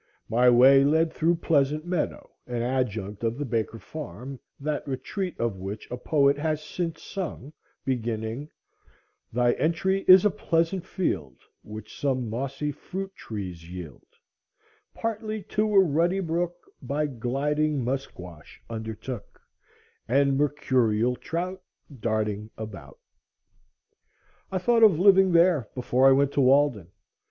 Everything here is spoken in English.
My way led through Pleasant Meadow, an adjunct of the Baker Farm, that retreat of which a poet has since sung, beginning,— "Thy entry is a pleasant field, Which some mossy fruit trees yield Partly to a ruddy brook, By gliding musquash undertook, And mercurial trout, Darting about." I thought of living there before I went to Walden.